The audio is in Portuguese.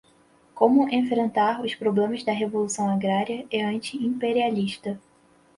Como Enfrentar os Problemas da Revolução Agrária e Anti-Imperialista